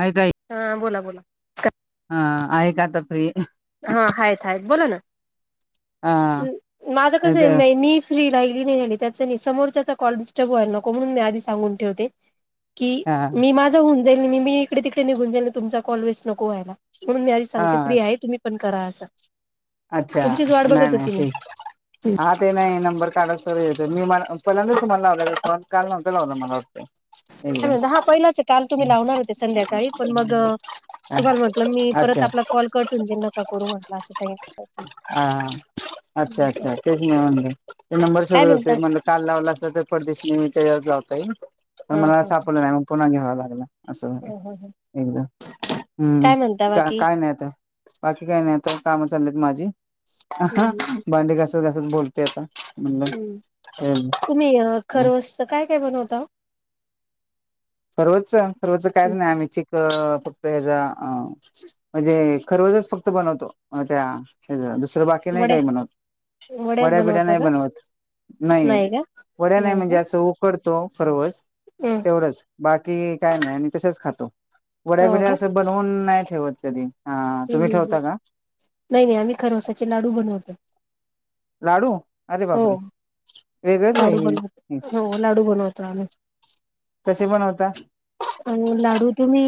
आहे हा बोला बोला. ह आहे का आता प्रि हा आहेत आहेत बोला ना हा माझं कस आहे. हा मी फ्री राहि मी नेलेली त्याच समोर कॉल डिस्टर्ब व्हायला नकोणून मी आधीच सांगून ठेवते. की मी माझं होऊन जाईल मी मी इकडे तिकडे निघून जाईल तुमचा कॉल मिस नको व्हायला. म्हणून मी आधी सांगते हा फ्री आहे तुम्ही पण करा असं. अच्छा तुमचीच वाट नाही बघत नाही होती मी ते. हा ते नाही नंबर काढत स येतो मी मला फंद मला लाव काल नव लाव मला वाटत. म्हण हा पहिलाच काल तुम्ही लावणार होते संध्याकाळी पण मग तुम्हाला म्हटलं मी परत अच्छा आपला कॉल कटून जे नका करू म्हटलं असं सांगितलं हा. अच्छा अच्छा तेच नाही. म्हणज ते नंबर काय सोधत होते म्हणता म्हण काल लावला असत तर परदेश नाही. तयार ये पण हा मला हा सापडलं नाही मग पुन्हा घ्यावा लागलं असं झालं ह एकदा हम् काय म्हणता का बाकी काय नाहीता बाकी काही नाही आता काम चाललेत माझी ह हम्म भांडी गासत गासत बोलते आता. म्हणलं हम्म खरवच तुम्ही खरवस् काय काय बनवता. सर्वच सर्वच कायच ओ? नाही आम्ही ची फक्त हचा म्हणजे खरवजच फक्त बनवतो त्या हेज बाकी नाही वड्या काय बनवत. वड्याच वड्या बिड्या बनवता नाही का बनवत. नाही, वड्या नाही म्हणजे असं उकडत तो फरोवज हम् तेवढंच बाकी काय नाही आणि तसेच खातो. वड्या हो बीड्या असं बनवून नाही ठेवत कधी हा हम्, तुम्ही हम्, ठेवता हम् का नाही नाही आम्ही खरवसाचे लाडू बनवतो. लाडू अरे हो बापरे. वेगळंच लाडू आहे हे बनवत हो लाडू बनवतो आम्ही. कसे बनवता अ लाडू तुम्ही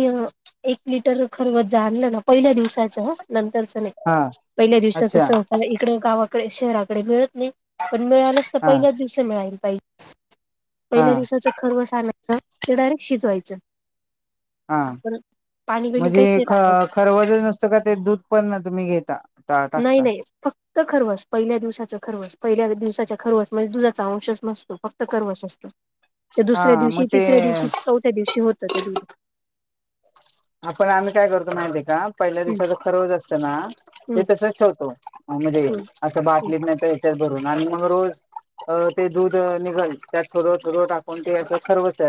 एक लिटर खरवत जा आणलं ना पहिल्या दिवसाच नं नाही हा पहिल्या दिवसाच अच्छा सला इकड गावाकडे शहराकडे मिळत नाही पण मिळालंच तर हा पहिल्याच दिवस मिळाल पाहिजे हा पहिल्या दिवसाच खर्व सां ते डायरेक् शचवायचं हा, बिणी म्हणजे काहीच नाही ख टाकायचं खरवज नुसतं का ते दूध पण तुम्ही घेता नाही टाकता नाही फक्त खरवस पहिल्या दिवसाचं खरवस पहिल्या दिवसाच्या खरवस म्हणजे दुधाचा अंशच नसतो फक्त खरवस असतो. ते हा दुसऱ्या दिवशी मग ते तिसऱ्या दिवशी चौथ्या दिवशी होतं ते दूध आपण आम्ही काय करतो माहिती का पहिल्या हम्म दिवसाच खरोज असतं ना ते हम्म तसच ठेवतो. म्हणजे हम्म असं हम्म बाटली पण तर याच्यात भरून आणि मग रोज अ ते दूध निघाल त्यात थोड थोड टाकून ते खरवस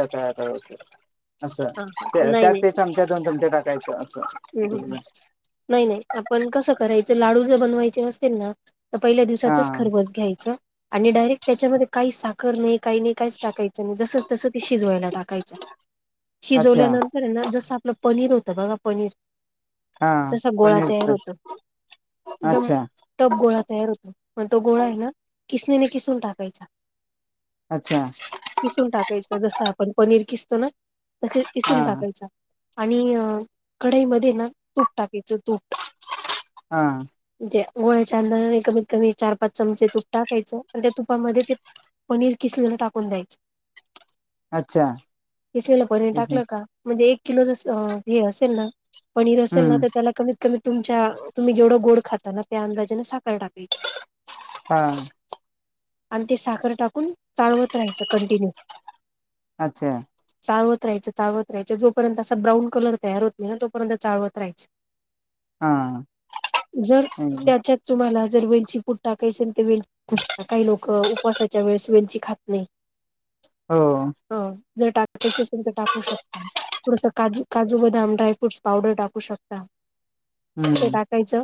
असं हा त्यात ते चमच्या दोन चमच्या टाकायचं अस हम् नाही नाही आपण कसं करायचं लाडू ज बनवायचे असतील ना तर पहिल्या हा दिवसाचच खरवस घ्यायचं. आणि डायरेक्ट त्याच्यामध्ये काही साखर नाही काही नाही काहीच टाकायचं नाही जसच तस ते शिजवायला टाकायचं अच्छा शिजवल्यानंतर आहे ना जसं आपलं पनीर होतं बघा पनीर हा तसा गोळा पनीरच तयार होतो. एकदम अच्छा टप गोळा तयार होतो पण तो गोळा आहे ना किसनीने किसून टाकायचा. अच्छा किसून टाकायचं. जसं आपण पनीर किसतो ना हा किसून टाकायच आणि अ कढई मध्ये ना तूप टाकायचं. तूट हा गोळ्याच्या अंदाजाने कमीत कमी चार पाच चमचे तूप टाकायचं. आणि त्या तुपामध्ये ते पनीर किसलेल टाकून द्यायच. अच्छा कीसलेल पनीर टाकलं का म्हणजे एक किलो जस हे असेल ना पनीर असेल ना हम्म तर त्याला कमीत कमी तुमच्या तुम्ही जेवढं गोड खाता ना त्या अंदाजाने साखर टाकायची. हा आणि ते साखर टाकून चाळवत राहायचं कंटिन्यू. अच्छा रायच चाळवत राहयच जोपर्यंत असा ब्राऊन कलर तयार होत नाही ना तोपर्यंत चाळवत रायचं. हा जर त्याच्यात तुम्हाला जर वेलची पुड टाकायची ते काही लोक उपवासाच्या वेळेस वेलची खात नाही. हो ह जर टाकायची असेल तर टाकू शकता. थोडस काजू काजू बदाम ड्राय फ्रुट्स पावडर टाकू शकता. ते हम्म टाकायचं.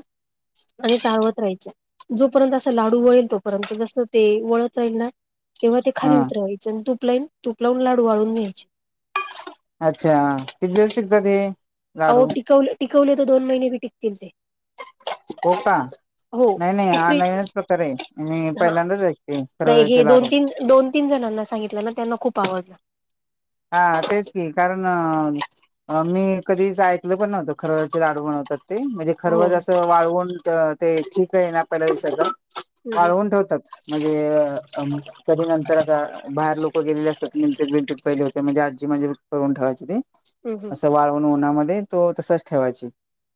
आणि चाळवत राहायचं. जोपर्यंत असा लाडू वळेल तोपर्यंत जसं ते वळता राईल ना तेव्हा ते हा खाली उतरवायच. आणि तुपलाइन तुप लावून लाडू वळून घ्यायचे. अच्छा किती दिवस टिकतात हे? लाडू अहो टिकवले, टिकवले तर दोन महिने बी टिकतील ते. कोणता हो नाही नाही ते प्री ऑनलाईनच प्रकार हाय. मी हा पहिल्यांदाच ऐकते रव्याचे लाडू. ह्यांना सांगितलं ना त्यांना खूप आवडलं. हा तेच की कारण अ मी कधीच ऐकल पण नव्हतं खर खरवसचे लाडू बनवतात. ते म्हणजे हो खरवज हो. असं वाळवून त ते चीक आहे ना पहिल्या दिवसाचा. हम्म वाळवून ठेवतात. म्हणजे अ तरी नंतर आता बाहेर लोकं गेलेले असतात मिटट विंटट पहिले म्हणजे आजी म्हणजे करून ठेवायची. ती हम्म हम्म असं वाळवून उन्हामध्ये. तो तसाच ठेवायची.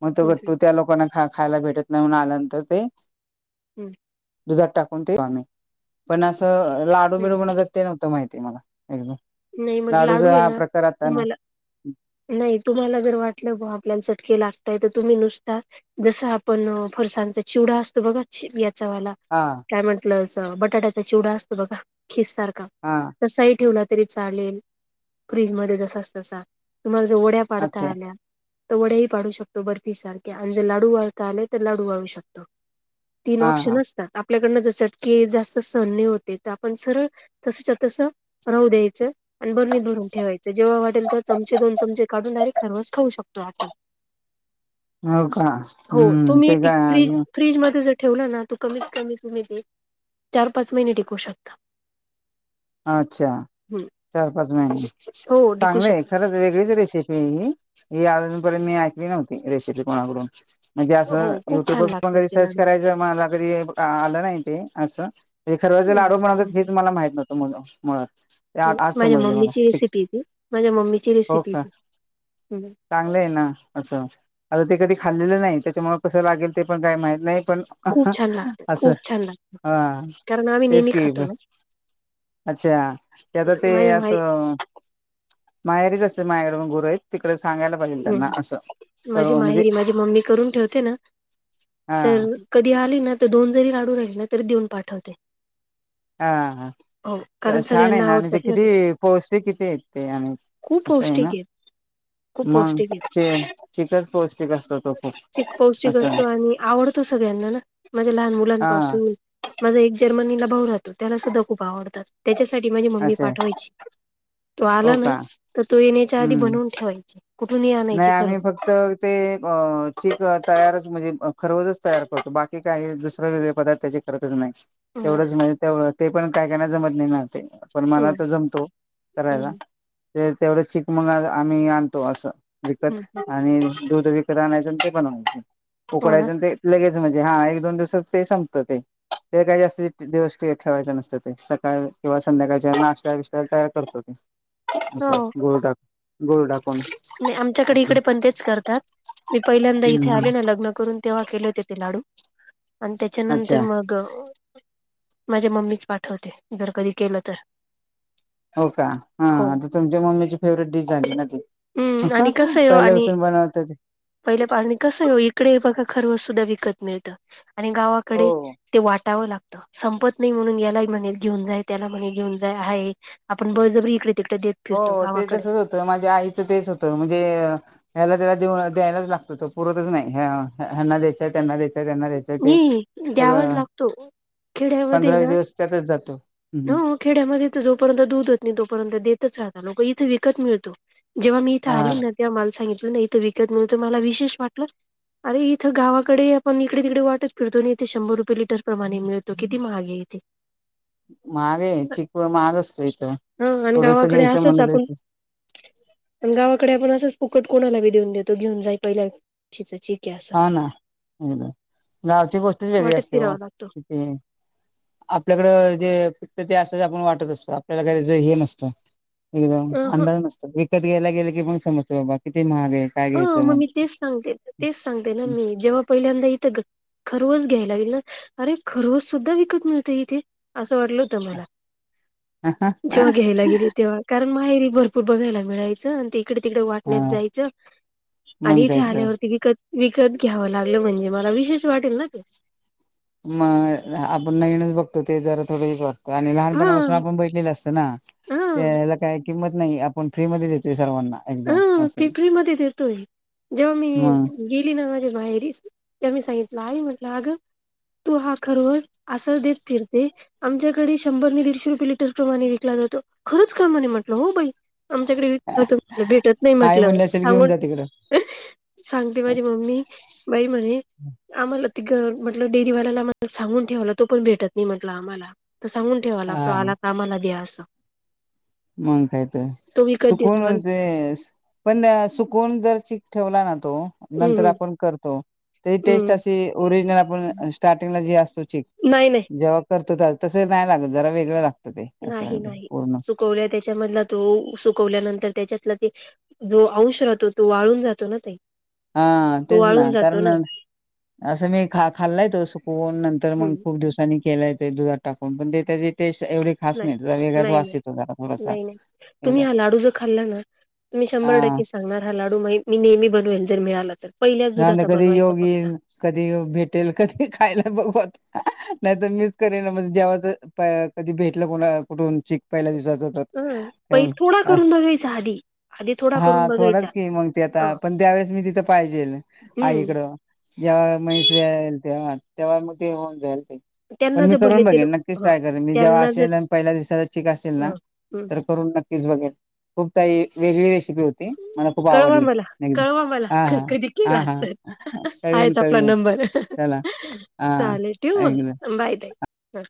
मग तो हम्म गट्टू त्या लोकांना खा खायला भेटत म्हणून आल्यानंतर ते हम्म दुधात टाकून ते पानी पण असं लाडू हम्म बिडू हम्म बनवतात ते नव्हतं माहित. ते मला नाही मग लाडू लाडूचा आहे हा ना प्रकार आता ना तुम्हाला नाही तुम्हाला जर वाटलं बुवा आपल्याला चटके लागतय. तर तुम्ही नुसता जस आपण फरसांचं चिवडा असतो बघा हा काय म्हंटल अस बटाट्याचा चिवडा असतो बघा खिस सार हा तसाही ठेवला तरी चालेल फ्रीज मध्ये जसाच तसा तुम्हाला जर वड्या पाडता अच्छा आल्या तर वड्या ही पाडू शकतो बर्फी सारख्या. आणि जर लाडू वळता आले तर लाडू वळू शकतो. तीन हा ऑप्शन हा असतात. आपल्याकडनं ज चटके जास्त सहन नाही होत आहे. तर आपण सरळ तसच्या तस राहू द्यायाचं‌. आणि बरणीत भरून ठेवायचं. जेव्हा वाटेल तेव्हा चमचे दोन चमचे काढून डायरेक्ट खरवस खाऊ शकतो. तो आपण हो का हो हम्म तुम्ही ते ती फ्रिज काय फ्रीज मध्ये जर ठेवला ना तो कमीत कमी तुम्ही ते चार पाच महिने टिकू शकता. अच्छा! हं. चार पाच महिने हो टिकू शकत चांगलये खरंच वेगळीच रेसिपी आय ही, ही आजू [unintelligible] मी ऐकली नव्हती रेसिपी कोणाकडून म्हणजे हो असं खूप युट्यूब वर छान पण लागतात कधी ते सर्च लाडू. करायचं, मला कधी आलं नाही ते असं हे खरवजे हं, लाडू हं. बनवत्यात हेच मला माहित नवतं मुळ मुळात नाही, आत आज माझ्या समजले मला मम्मीची फिक्स, रेसिपी ती माझ्या मम्मीची हो रेसिपी का? ती हम्म. चांगलंये ना असं आता ते कधी खाल्लेलं नाही, त्याच्यामुळ कसं लागेल ते पण काय माहीत नाई. पण खूप छान लागतं असं, खूप छान लागतं हा कारण आम्ही हेच नेहमी की खातो ब ना अच्छा! ते आता ते माझ्या माय असं माहेरीच अस मायाकडून गुरु आहेत तिकडच हम् माझी म्हणजे माहेरी माझी मम्मी करून ठेवते ना हा तर कधी आली ना, त दोन जरी लाडू राहिले ना तरी देऊन पाठवते. आ हा हो त कारण छान आहे सगळ्यांना ना म्हणजे आवडतात ते किती, पौष्टिक किती येत ते आणि खूप असं आहे पौष्टिक ना येत. खूप मग पौष्टिक येत, ते चिकच पौष्टिक असतो तो खूप चिक पौष्टिक असं असतो आणि आवडतो सगळ्यांना [unintelligible] माझ्या लहान मुलांन हा पासून माझ एक [unintelligible] जर्मनीला भाऊ राहतो, त्याला सुद्धा खूप आवडतात, त्याच्यासाठी माझी मम्मी अच्छा पाठवायची. तो हो आला ना, का तर तो येण्याच्या आधी हम्म बनवून ठेवायची, कुठून? नाही आम्ही फक्त ते अ चिक तयारच म्हजे अ खरवजच तयार करतो, बाकी काही दुसर वेगळे पदार्थ त्याचे करतच नाही, हम्म तेवढंच म्हणजे तेव ते पण काय काहीना जमत नाही ना ते, पण मला हम्म तो जमतो करायला. ते तेवढं चिक मंग अ आम्ही आणतो असं विकत, हम्म आणि दूध विकत आणायचं आणी ते बनवायच, हो ना उकडायचं आन ते लगेच [unintelligible] म्हणजे हा एक दोन दिवसात ते संपत ते ते काही जास्त [unintelligible] दिवस ठे ठेवायच नसतं ते, सकाळ किंवा संध्याकाळच्या नाश्त्या बिष्टा तयार करतो ते अस गूळ टाक गूळ टाकून नई आमच्याकडे हिकडे पण तेच करतात. मी पहिल्यांदा इथे आले ना लग्न करून तेव्हा केले होते ते लाडू आणि त्याच्यानंतर अच्छा. मग माझ्या मम्मीच पाठवते, जर कधी केलं तर हो का? हा हो आता तुमच्या मम्मीची फेवरेट डिश झाली ना ती हम्म् आणि कसं ये ओ आणि पहिल्यापासून बनवता ते पहिले [unintelligible] कसंये ओ इकडे ही बघा ख सर्व सुद्धा विकत मिळतं आणि गावाकडे हो. ते वाटावं लाग त संपत नई म्हणून याला य म्हणे घेऊन जाय, त्याला म्हणे घेऊन जाय, आहे आपण बळजबरी इकडे तिकडे देत हो फिरतो ते गावाकडे तसच होतं माझ्या आई च तेच होतं म्हणजे ह्याला त्याला देऊन द्यायलाच लागतं, तो पुरतच नाही ह्य ह्यांना द्यायच, त्यांना द्यायच. नई द्यावाच लागतो, खेड्यामध्ये पंधरा ना दिवस त्यातच जातो हम्म हो खेड्यामध्ये तर जोपर्यंत दूध होत नई तोपर्यंत दे तच राहता लोक, इथ विकत मिळतो जेव्हा मी इथ हा आली ना तेव्हा मला सांगित [unintelligible] इथ विकत मिळत, मला विशेष वाटलं अरे इथं गावाकडे मग मी इकडे तिकडे वाटत फिरतो नी, इथे शंभर रुपये लिटर प्रमाणे मिळतो, किती महागे इथे महाग ये, चिक [unintelligible] महाग असत इथं हा आणि थोडस गावाकडे घ्यायचं असच म्हणलं आपण तर आणि गावाकडे आपण असच फूकट कोणाला बी देऊन देतो, घेऊन जाई पहिल्या शिच चीक हा ना [unintelligible] गावाची गोष्टच वेगळी वाटत असते हो, फिरावा लागतो ते आपल्याकडं जे त ते असं आपण वाटत असतो, आपल्याला काय त्याच हे नसतं, एकदम अ ह अंदाजा नसतं. विकत घेयला गेलं की म समजतो बा किती महाग आहे काय हा घ्यायचं म मी म्हणलं तेच सांगते, तेच सांगते ना मी, जेव्हा पहिल्यांदा इथं ग ख रोज घ्यायला गेलो अरे खरवस सुद्धा विकत मिळतो इथे असं वाटलं होत मला, तर. जेव्हा घ्यायला गेली तेव्हा, कारण माहेरी भरपूर बघायला मिळायचं, आणि ते इकडे तिकडे वाटण्यात हा जायचं आणि मग इथे काय तर आल्यावरती विकत विकत घ्यावं लागलं म्हणजे मला विशेष वाटेल ना ते मग आपण नवीनच बघतो ते जरा थोडं हेच वाट तं आणि हा लहानपणापासून आपण बघीतलेले असतं ना हा त्याला काही किंमत नाही आहे आपण फ्री मध्ये देतोयच हा ते फ्री मध्ये देतोय. जेव्हा मी मग गेली ना माझ्या माहेरी तेव्हा मी सांगितलं आई म्हटलं अगं तू हा खरवस असं देत फिरते आमच्याकडे शंभर न दीडशे रुपये लिटर प्रमाणे विकला जातो खरचं का म्हणे म्हटलं हो बाई आमच्याकडे विकला जातो. भेटत नाही आई म्हटलं म्हणले असेल घेऊन सांगून जा तिकडं सांगते माझी मम्मी बाई म्हणे आम्हाला तिकडं म्हटलं डेरीवाल्याला मला सांगून ठेवला तो पण भेटत नाही म्हटलं आम्हाला तर सांगून ठेवा ते लागतो हा आला आम्हाला द्या असं. मग कायतर तो विकत सुकून देतो आणि होते. पण सुकून जर चीक ठेवला ना तो हम्म नंतर हम्म आपण करतो. तेजी टेस्ट हम्म अशी ओरिजिनल आपण स्टार्टिंगला जी असतो चीक नाही नाही. जेव्हा कर तता तसं नाही लागत जरा वेगळं लागतं ते असं आहे ते पूर्ण कोवल्या त्यांच्यामधला तो सुकु वल्यानंतर त्याच्यातला ते जो आउश राहतो तो वाळून जातो ना ते. हा तेच ना कारण असं मी खा खाल्लाय तो सुकवून नंतर मग हम्म खूप दिवसांनी केलाय ते दुधात टाकून पण ते त्याची टेस्ट एवढी खास नाही त्याचा वेगळाच नाही वास नाही येतो जरा थोडासा नाही नाही तुम्ही एकदा हा लाडू जर खाल्ला ना तुम्ही शंभर हा टक्के सांगणार हा लाडू मही मी नेहमी बनवेल जर मिळाला तर पहिल्याच त्यानंतर दुधाचा कधी बनवायचा योग फक्त येईल कधी भेटेल कधी खायला बघू आता. नाही तर मिचं करेन म्हणज जेव्हाच पाय कधी भेटलं कोणा कुठून चीक पहिल्या दिवसा जेवतात ह प तेव्हून थोडा आस करून बघायचा आधी आधी थोडा हा करून बघायचा थोडंस की मग ते आता ह पण त्यावेेळेस मी तिथं पाहिजेल हम्म आईकडं ज्या म्हैश व्यय्येल तेव्हा तेव्हा मग ते होऊन जाईल. पण त्यांना मी जर भले करून ते बघेन नक्कीच ह ट्राय करेन मी जेव्हा त्यांना जर असेल आणि पहिल्या दिवसाचा चीक असेल ना हं, हं. तर करून नक्कीच बघेल खूप ताई वेगळी रेसि पी होती मला खूप कळवा आवडली मला [unintelligible] कळवा मला हा हा. कधी केला हा हा असत कळवीण आहेच आपला कळवीण नंबर. चला. हां चालेल ठेऊ ऐकलं मग बाय बाय हा.